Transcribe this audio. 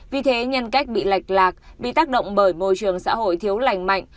vì thế nhân cách bị lệch lạc bị tác động bởi môi trường xã hội thiếu lành mạnh